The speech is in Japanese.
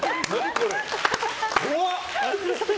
怖っ！